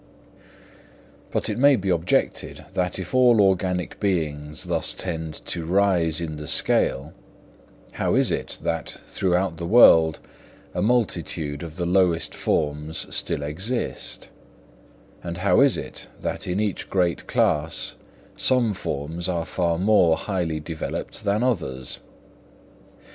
But it may be objected that if all organic beings thus tend to rise in the scale, how is it that throughout the world a multitude of the lowest forms still exist; and how is it that in each great class some forms are far more highly developed than others?